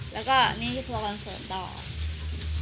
แล้วก็นี่ก็ทัวร์คอนเสิร์ตต่อ